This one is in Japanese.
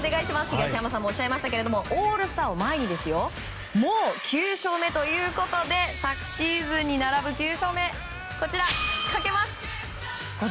東山さんもおっしゃいましたがオールスターを前にもう９勝目ということで昨シーズンに並ぶ９勝目かけます。